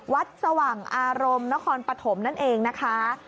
สว่างอารมณ์นครปฐมนั่นเองนะคะ